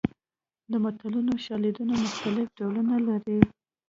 د متلونو شالیدونه مختلف ډولونه لري